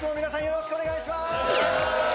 よろしくお願いします